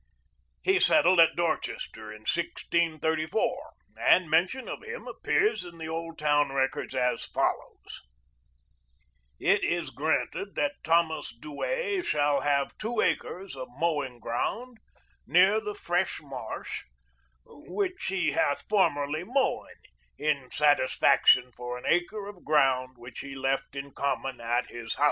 He settled at Dorchester in 1634, and mention of him appears in the old town records as follows : It is granted that Thomas Duee shall have 2 acres of mow ing ground, neere the Fresh Marsh, which he hath formerly mowen, in satisfaction for an acre of ground, which he left in common at his house.